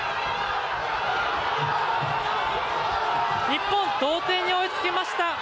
日本、同点に追いつきました！